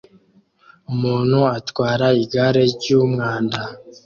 Umuntu atwara igare ryumwanda